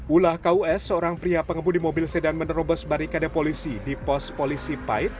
ulah kus seorang pria pengemudi mobil sedan menerobos barikade polisi di pos polisi pait